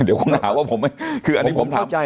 เดี๋ยวคุณหาว่าผมไม่คืออันนี้ผมถาม